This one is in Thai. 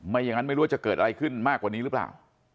อย่างนั้นไม่รู้ว่าจะเกิดอะไรขึ้นมากกว่านี้หรือเปล่า